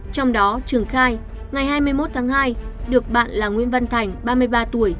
trong đó trường khai ngày hai mươi một tháng hai được bạn là nguyễn văn thành ba mươi ba tuổi